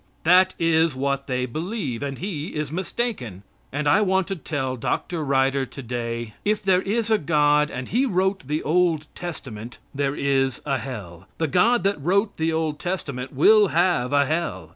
That is what they believe, and he is mistaken; and I want to tell Dr. Kyder today, if there is a God, and He wrote the Old Testament, there is a Hell. The God that wrote the Old Testament will have a Hell.